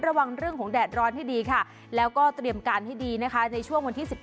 ระวังเรื่องของแดดร้อนให้ดีค่ะแล้วก็เตรียมการให้ดีนะคะในช่วงวันที่๑๘